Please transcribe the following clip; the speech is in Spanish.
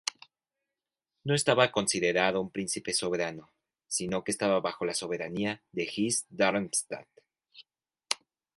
No estaba considerado un príncipe soberano, sino que estaba bajo la soberanía de Hesse-Darmstadt.